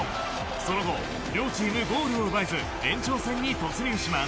その後、両チームゴールを奪えず延長戦に突入します。